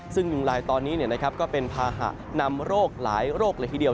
ซึ่งยุงลายตอนนี้ก็เป็นภาหะนำโรคหลายโรคเลยทีเดียว